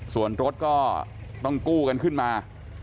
ส่วนรถก็ต้องกู้กันขึ้นมา